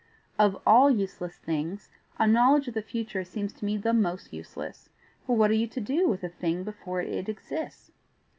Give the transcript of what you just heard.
Of all useless things a knowledge of the future seems to me the most useless, for what are you to do with a thing before it exists?